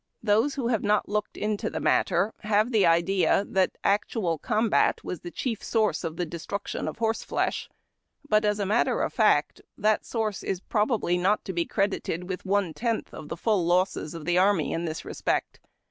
Those who have not looked into the matter have the idea that actual combat was the chief source of the destruction of horseflesh. But, as a matter of fact, that source is probably not to be credited with one tentli of the full losses of the army in this respect.